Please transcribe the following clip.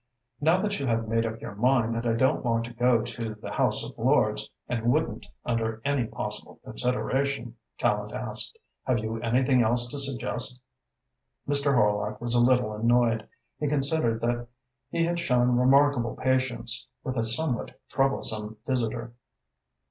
"Now that you have made up your mind that I don't want to go to the House of Lords and wouldn't under any possible consideration," Tallente asked, "have you anything else to suggest?" Mr. Horlock was a little annoyed. He considered that he had shown remarkable patience with a somewhat troublesome visitor.